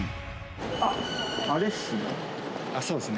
あっあれっすね。